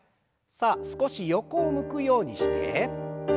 さあ少し横を向くようにして。